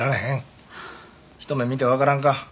ひと目見てわからんか？